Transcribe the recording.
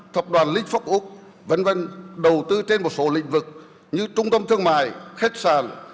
tập đoàn likfurc úc v v đầu tư trên một số lĩnh vực như trung tâm thương mại khách sạn